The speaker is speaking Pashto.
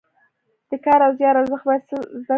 د کار او زیار ارزښت باید زده کړو.